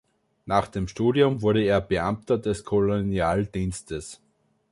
Nach dem Studium wurde er Beamter des Kolonialdienstes.